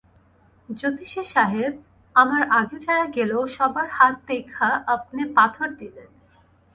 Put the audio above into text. জ্যোতিষী সাহেব, আমার আগে যারা গেল, সবার হাত দেইখা আপনে পাথর দিলেন।